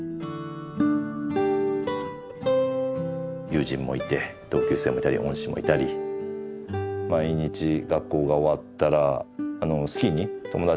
友人もいて同級生もいたり恩師もいたり毎日学校が終わったらスキーに友達と待ち合わせ。